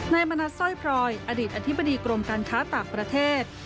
มณัฐสร้อยพรอยอดีตอธิบดีกรมการค้าต่างประเทศ